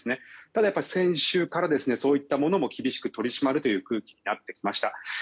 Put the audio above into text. ただ、先週からそういったものも厳しく取り締まるという空気になってきました。